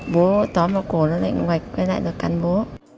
bố tóm vào cổ nó lại ngoạch ngay lại nó cắn bố